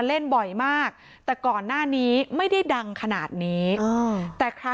จนใดเจ้าของร้านเบียร์ยิงใส่หลายนัดเลยค่ะ